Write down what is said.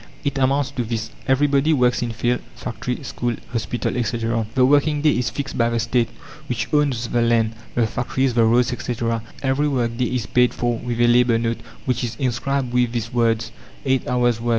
It amounts to this: Everybody works in field, factory, school, hospital, etc. The working day is fixed by the State, which owns the land, the factories, the roads, etc. Every work day is paid for with a labour note, which is inscribed with these words: Eight hours' work.